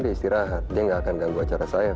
dia istirahat dia nggak akan ganggu acara saya